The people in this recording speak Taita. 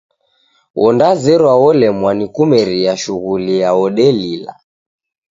Wodazerwa wolemwa nikumeria shughulia wodelila.